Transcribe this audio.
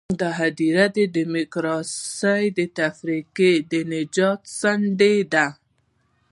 دا هدیره د ډیموکراسۍ د تفکر د نجات ساندې ده.